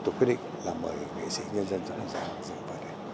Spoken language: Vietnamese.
tôi quyết định là mời nghệ sĩ nhân dân doãn hoàng giang dự vợi đệ